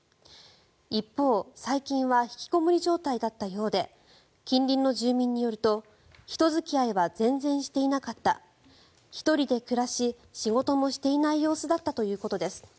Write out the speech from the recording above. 一方、最近は引きこもり状態だったようで近隣の住民によると人付き合いは全然していなかった１人で暮らし仕事もしていない様子だったということです。